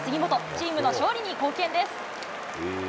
チームの勝利に貢献です。